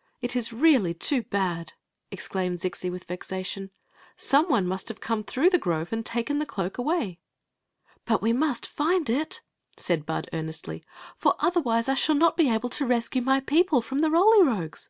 " It is really too bad !" exclaimed Zixi, with vexa tion. " Some one must have come through die grove and taken the cloak away." *• But we must find it," said Bud, earnesdy ;" for otherwise I shall not be able to rescue my people from the Roly Rogues."